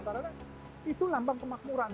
karena itu lambang kemakmuran